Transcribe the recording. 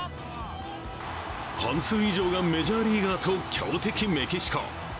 半数以上がメジャーリーグかと強敵メキシコ。